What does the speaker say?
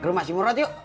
kamu masih murah yuk